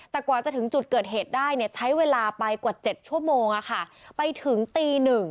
แต่กว่าจะถึงจุดเกิดเหตุได้ใช้เวลาไปกว่า๗ชั่วโมงไปถึงตี๑